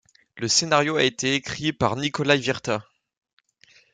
Le scénario a été écrit par Nikolaï Virta.